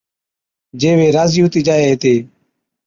جي وي راضِي ھُتِي جائي ھِتي